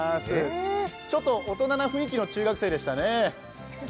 ちょっと大人な雰囲気の中学生でしたね。